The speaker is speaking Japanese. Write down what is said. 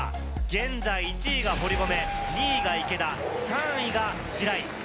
現在１位が堀米、２位が池田、３位が白井。